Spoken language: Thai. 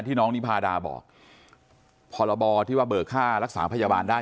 น้องนิพาดาบอกพรบที่ว่าเบิกค่ารักษาพยาบาลได้